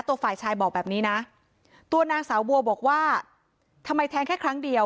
ตัวฝ่ายชายบอกแบบนี้นะตัวนางสาวบัวบอกว่าทำไมแทงแค่ครั้งเดียว